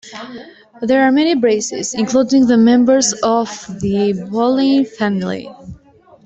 There are many brasses, including to members of the Boleyn family.